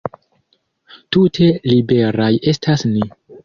Tute liberaj estas ni!